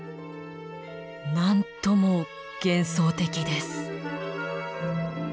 なんとも幻想的です。